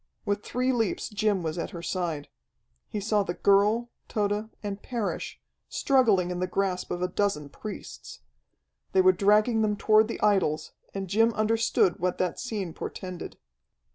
With three leaps Jim was at her side. He saw the girl, Tode, and Parrish, struggling in the grasp of a dozen priests. They were dragging them toward the idols, and Jim understood what that scene portended.